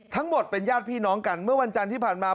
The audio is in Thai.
ทั้งหมดเป็นญาติพี่น้องกันเมื่อวันจันทร์ที่ผ่านมา